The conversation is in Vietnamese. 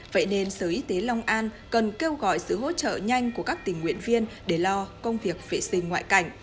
vậy nên sở y tế long an cần kêu gọi sự hỗ trợ nhanh của các tình nguyện viên để lo công việc vệ sinh ngoại cảnh